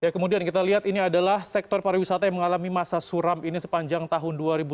kemudian kita lihat ini adalah sektor pariwisata yang mengalami masa suram ini sepanjang tahun dua ribu delapan belas